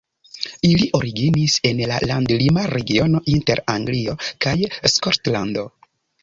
Ili originis en la landlima regiono inter Anglio kaj Skotlando.